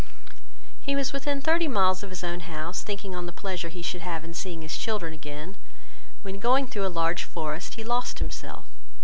He was within thirty miles of his own house, thinking on the pleasure he should have in seeing his children again, when going through a large forest he lost himself.